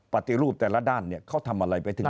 ปฏิรูปแต่ละด้านเนี่ยเขาทำอะไรไปถึง